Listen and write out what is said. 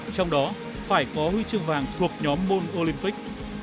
trong đó phải có huy chương vàng thuộc nhóm môn olympic